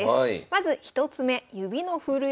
まず１つ目。